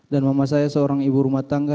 dan mama saya seorang ibu rumah tangga